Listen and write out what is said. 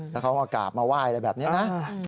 แล้วเขาก็กลับมาไหว้แบบนี้นะ